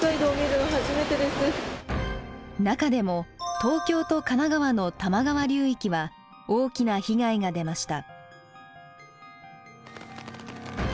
中でも東京と神奈川の多摩川流域は大きな被害が出ました。